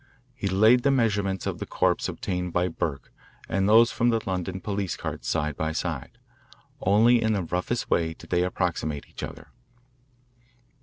He laid the measurements of the corpse obtained by Burke and those from the London police card side by side. Only in the roughest way did they approximate each other.